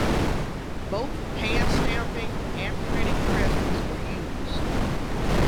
Both handstamping and printing presses were used.